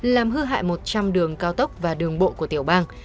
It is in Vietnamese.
làm hư hại một trăm linh đường cao tốc và đường bộ của tiểu bang